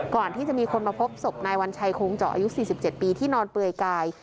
ก่อนที่จะมีคนมาพบศพนายวัญชัยโคงเจาะอายุ๔๗ปีที่นอนเปลือยกาย